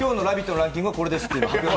ランキングはこれですと。